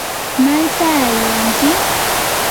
¿mayta aywanki?